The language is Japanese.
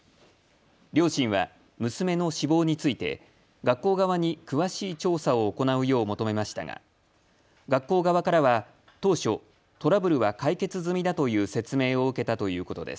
両親は、娘の死亡について学校側に詳しい調査を行うよう求めましたが学校側からは当初、トラブルは解決済みだという説明を受けたということです。